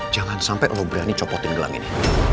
jangan sampai allah berani copotin gelang ini